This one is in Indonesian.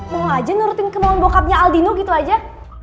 mau aja nurutin kemauan bokapnya aldino gitu aja